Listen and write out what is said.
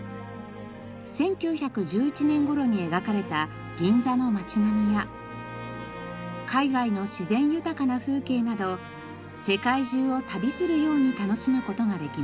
１９１１年頃に描かれた銀座の街並みや海外の自然豊かな風景など世界中を旅するように楽しむ事ができます。